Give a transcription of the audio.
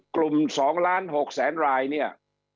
กลุ่ม๒ล้าน๖แสนรายเนี่ย